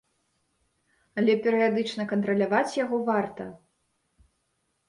Але перыядычна кантраляваць яго варта.